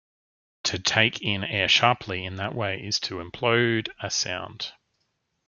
To take in air sharply in that way is to implode a sound.